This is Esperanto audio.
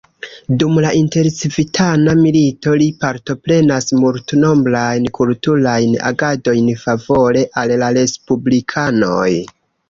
Dum la intercivitana milito li partoprenas multnombrajn kulturajn agadojn favore al la respublikanoj.